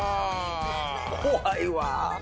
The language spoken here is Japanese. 怖いわ。